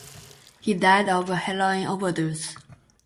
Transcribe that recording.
He died of a heroin overdose.